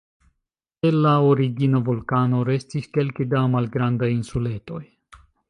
El la origina vulkano restis kelke da malgrandaj insuletoj.